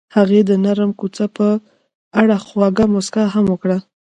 هغې د نرم کوڅه په اړه خوږه موسکا هم وکړه.